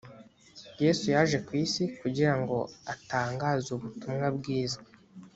yesu yaje ku isi kugira ngo atangaze ubutumwa bwiza